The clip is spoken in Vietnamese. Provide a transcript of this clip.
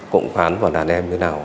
cộng khoán và đàn em như thế nào